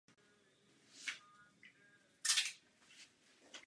Rovněž víme, že Evropa není vůči tomuto jevu imunní.